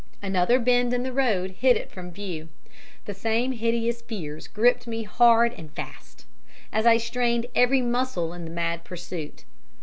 Another bend in the road hid it from view. The same hideous fears gripped me hard and fast, as I strained every muscle in the mad pursuit.